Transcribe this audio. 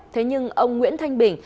thế nhưng ông nguyễn thanh bình